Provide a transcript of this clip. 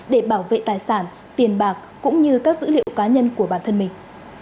để bảo vệ tài sản tiền bạc cũng như các dữ liệu cá nhân của bản thân mình